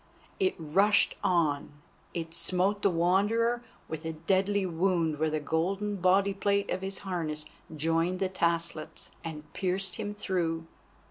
It rushed on, it smote the Wanderer with a deadly wound where the golden body plate of his harness joined the taslets, and pierced him through.